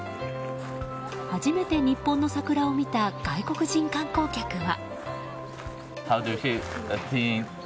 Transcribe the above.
初めて日本の桜を見た外国人観光客は。